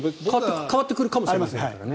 変わってくるかもしれないですからね。